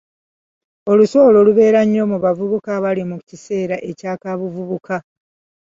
Olusu olwo lubeera nnyo mu bavubuka abali mu kiseera ekya kaabuvubuka.